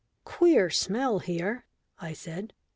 "Queer smell here," I said.